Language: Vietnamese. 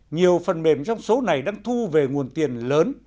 nhiều phần mềm trong số này đang thu về nguồn tiền lớn